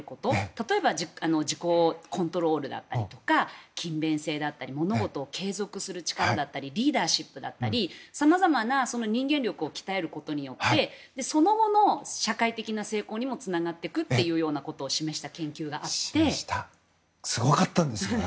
例えば自己コントロールだったり勤勉性だったり物事を継続させる力だったりリーダーシップだったりさまざまな人間力を鍛えることによってその後の社会的な成功にもつながっていくということをすごかったんですよ。